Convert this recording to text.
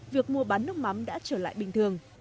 việc mua bán nước mắm đã trở lại bình thường